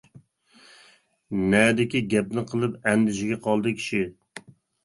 نەدىكى گەپنى قىلىپ، ئەندىشىگە قالدى كىشى.